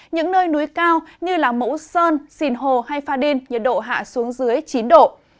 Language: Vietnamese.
những nơi núi cao như mẫu sơn xìn hồ hay pha đin nhiệt độ hạ xuống dưới chín độ